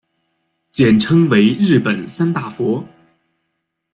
简称为日本三大佛。